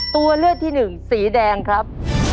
ตัวเลือกที่หนึ่งสีแดงครับ